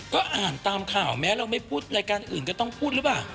ก็อ่านตามข่าวแม้เราไม่พูดรายการอื่นก็ต้องพูดหรือเปล่า